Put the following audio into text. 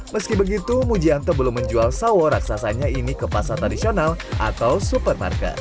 meski begitu mujianto belum menjual sawo raksasanya ini ke pasar tradisional atau supermarket